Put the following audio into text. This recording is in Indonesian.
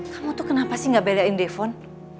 kamu tuh kenapa sih gak bedain depon